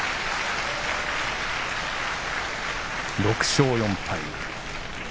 ６勝４敗。